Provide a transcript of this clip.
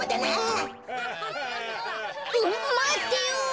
まってよ。